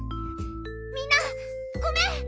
みんなごめん！